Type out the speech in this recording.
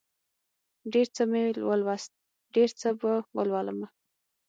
ډېر څه مې ولوست، ډېر څه به ولولمه